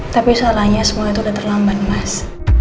tapi soalnya sekolah itu udah terlambat mas